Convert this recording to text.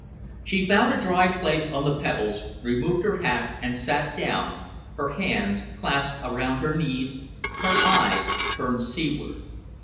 She found a dry place on the pebbles, removed her hat and sat down, her hands clasped around her knees, her eyes turned seaward.